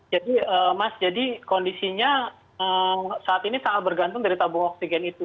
jadi mas jadi kondisinya saat ini sangat bergantung dari tabung oksigen itu